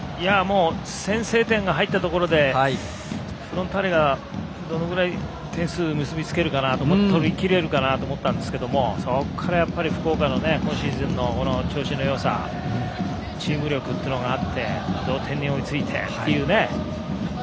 先制点が入ったところでフロンターレがどのぐらい点数を取りきれるかなと思ったんですけどそこから福岡の今シーズンの調子のよさチーム力があって同点に追いついて。